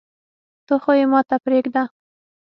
ته خو يي ماته پریږده